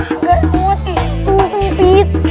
agak muat di situ sempit